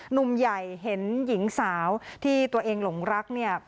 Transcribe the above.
หนุ่มใหญ่เห็นหญิงสาวที่ตัวเองหลงรักเนี่ย